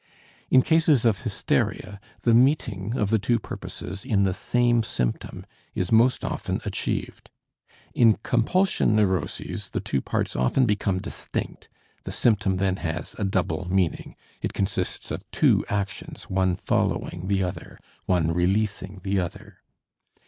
In cases of hysteria, the meeting of the two purposes in the same symptom is most often achieved. In compulsion neuroses, the two parts often become distinct; the symptom then has a double meaning, it consists of two actions, one following the other, one releasing the other.